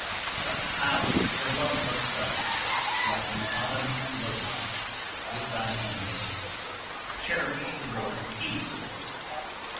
285. Cut out the love of self, like an autumn lotus, with thy hand! Cherish the road of peace.